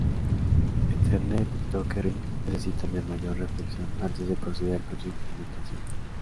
Ethernet y Token Ring necesitan de mayor reflexión antes de proceder con su implementación.